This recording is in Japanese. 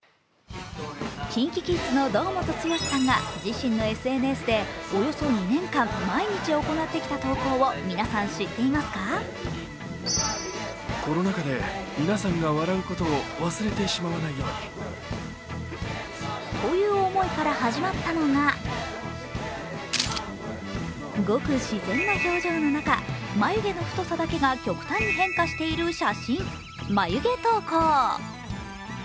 ＫｉｎＫｉＫｉｄｓの堂本剛さんが自身のＳＮＳでおよそ２年間毎日行ってきた投稿を皆さん知っていますか？という思いから始まったのが、ごく自然な表情の中、眉毛の太さだけが極端に変化している写真、眉毛投稿。